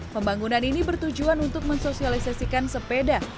pembangunan ini bertujuan untuk mensosialisasikan sepeda